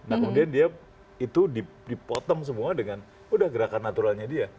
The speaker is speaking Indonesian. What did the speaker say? nah kemudian dia itu dipotong semua dengan udah gerakan naturalnya dia